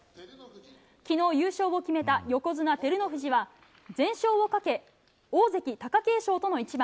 昨日、優勝を決めた横綱・照ノ富士は全勝をかけ大関・貴景勝との一番。